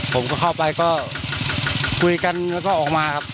ผมก็เข้าไปก็คุยกันแล้วก็ออกมาครับ